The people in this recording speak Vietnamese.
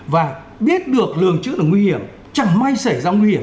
và biết được lường chữ là nguy hiểm chẳng may xảy ra nguy hiểm